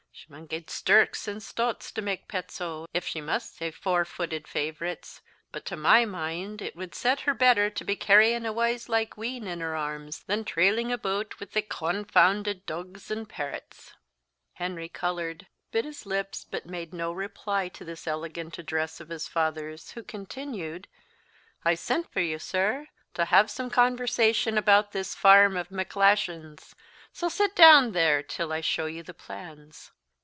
She maun get stirks and stots to mak' pets o', if she maun ha'e _four fitted _favourites; but, to my mind, it wad set her better to be carrying a wiselike wean in her arms, than trailing aboot wi' thae confoonded dougs an' paurits." Henry coloured, bit his lips, but made no reply to this elegant address of his father's, who continued, "I sent for you, sir, to have some conversation about this farm of Macglashan's; so sit down there till I show you the plans."